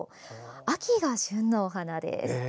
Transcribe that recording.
秋が旬のお花です。